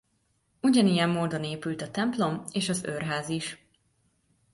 Ugyanilyen módon épült a templom és az őrház is.